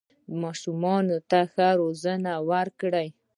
ماشومانو ته ښه روزنه ورکړئ